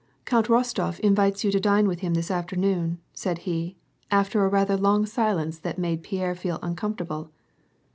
"Count Rostof invites you to dine with him this afternoon," said he, after a rather long silence that made Pierre feel uncomfortable.